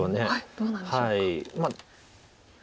どうなんでしょうか。